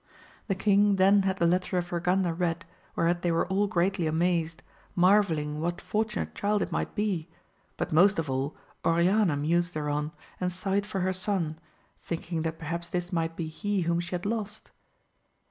The king then had the letter of Urganda read, whereat they were all greatly amazed, mar velling what fortunate child it might be, but most of all Oriana mused thereon and sighed for her son, thinking that perhaps this might be he whom she had lost.